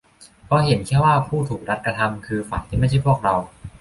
เพราะแค่เห็นว่าผู้ถูกรัฐกระทำคือฝ่ายที่ไม่ใช่พวกเรา